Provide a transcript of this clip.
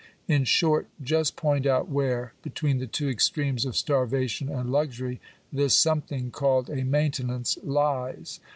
In short, just point out where, between the two extremes of starvation and luxury, this something called a maintenance lies."